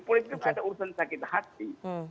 politik itu ada urusan sakit hati